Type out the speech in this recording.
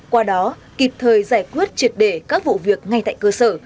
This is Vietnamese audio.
qua đó kịp thời giải quyết triệt để các vụ việc ngay tại cơ sở